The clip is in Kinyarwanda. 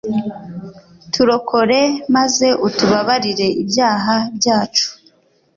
turokore maze utubabarire ibyaha byacu